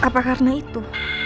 apa karena itu